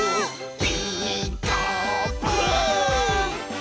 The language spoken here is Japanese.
「ピーカーブ！」